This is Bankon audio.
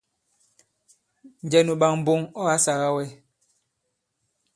Njɛ nu ɓak mboŋ ɔ̂ ǎ sāgā wɛ?